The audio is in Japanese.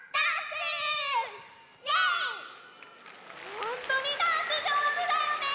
ほんとにダンスじょうずだよね。